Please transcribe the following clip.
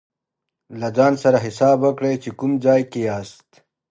له ځان سره حساب وکړئ چې کوم ځای کې یاست.